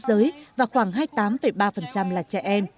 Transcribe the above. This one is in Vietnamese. nữ giới và khoảng hai mươi tám ba là trẻ em